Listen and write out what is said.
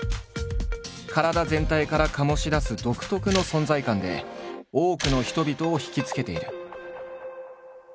体全体から醸し出す独特の存在感で多くの人々を惹きつけている。